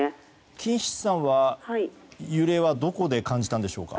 金七さんは揺れはどこで感じたんでしょうか。